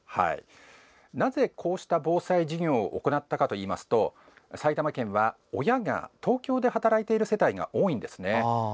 なぜ、こうした防災授業を行ったかといいますと埼玉県は親が東京で働いている世帯が多いんですね。